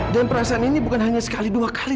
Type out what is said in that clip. dan perasaan ini bukan hanya sekali dua kali